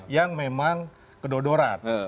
yang memang kedodoran